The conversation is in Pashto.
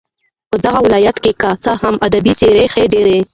په دغه ولايت كې كه څه هم ادبي څېرې ښې ډېرې